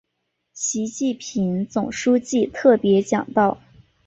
习近平总书记特别讲到